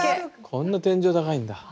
こんな天井高いんだ。